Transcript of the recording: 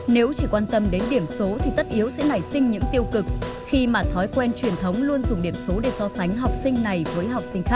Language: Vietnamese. nếu chỉ quan tâm đến điểm số thì tất yếu sẽ nảy sinh những tiêu cực khi mà thói quen truyền thống luôn dùng điểm số để so sánh học sinh này với học sinh khác